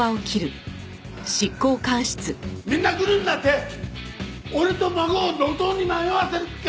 みんなグルになって俺と孫を路頭に迷わせる気か！